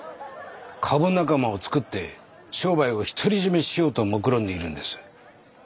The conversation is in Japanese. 株仲間を作って商売を独り占めしようともくろんでいるんです。